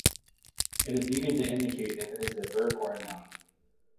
It is needed to indicate if it is a verb or a noun.